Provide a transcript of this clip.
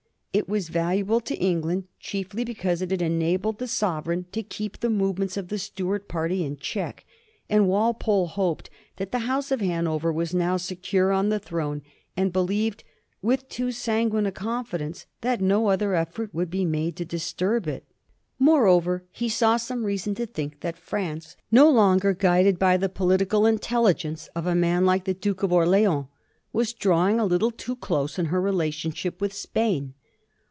It was valuable to England chiefly because it had enabled the Sovereign to keep the movements of the Stuart party in check, and Walpole hoped that the House of Hanover was now secure on the throne, and believed, with too sanguine a confidence, that no other eflFort would be made to disturb it. Moreover, Digiti zed by Google 400 A HISTORY OF THE FOUR GEORGES. ch. xx. he saw some reason to think that France, no longer guided by the political intelligence of a man like the Dake of Orleans, was drawing a little too dose in her relationship with Spain.